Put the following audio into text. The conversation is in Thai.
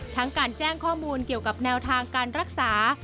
ทั้งการแจ้งข้อมูลเกี่ยวกับแนวทางการรักษา